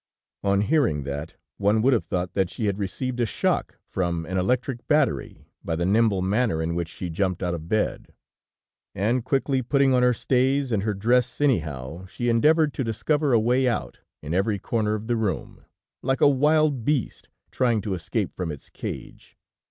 "On hearing that, one would have thought that she had received a shock from an electric battery, by the nimble manner in which she jumped out of bed; and quickly putting on her stays and her dress anyhow, she endeavored to discover a way out in every corner of the room, like a wild beast, trying to escape from its cage.